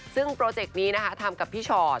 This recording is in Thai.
ซึ่งโปรเจกต์นี้นะคะทำกับพี่ชอต